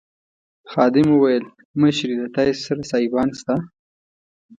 خادم وویل مشرې له تاسي سره سایبان شته.